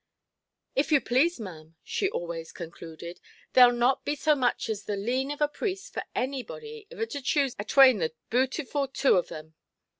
"If you plase, maʼam", she always concluded, "thereʼll not be so much as the lean of a priest for anybody iver to choose atwane the bootiful two on them.